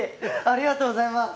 ありがとうございます！